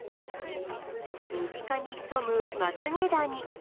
身近に潜むまつげダニ。